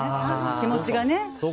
気持ちが。